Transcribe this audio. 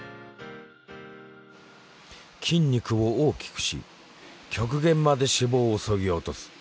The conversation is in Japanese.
筋肉を大きくし極限まで脂肪をそぎ落とす。